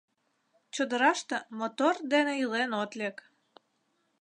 Чодыраште мотор дене илен от лек...